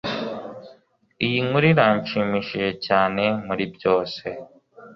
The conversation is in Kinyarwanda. iyi nkuru irashimishije cyane muribyose